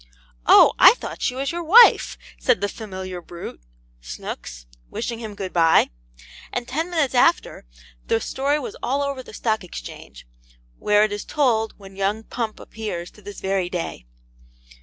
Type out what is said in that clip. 'OH, I THOUGHT SHE WAS YOUR WIFE!' said the familiar brute, Snooks, wishing him good bye; and ten minutes after, the story was all over the Stock Exchange, where it is told, when young Pump appears, to this very day.